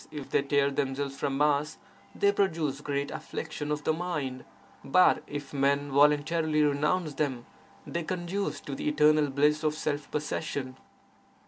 if they tear themselves from us, they produce great affliction of the mind; but if men voluntarily renounce them, they conduce to the eternal bliss of self possession.